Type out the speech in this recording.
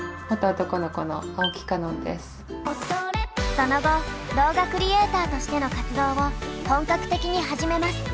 その後動画クリエーターとしての活動を本格的に始めます。